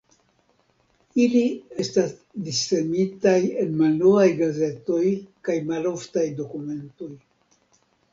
Ili estas dissemitaj en malnovaj gazetoj kaj maloftaj dokumentoj.